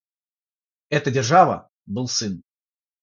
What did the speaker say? Эта держава — был сын.